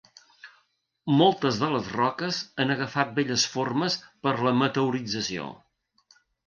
Moltes de les roques han agafat belles formes per la meteorització.